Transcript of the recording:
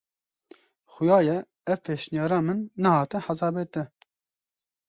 Xuya ye ev pêşniyara min nehate hesabê te.